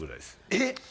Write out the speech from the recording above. えっ？